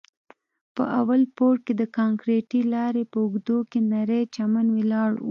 په اول پوړ کښې د کانکريټي لارې په اوږدو کښې نرى چمن ولاړ و.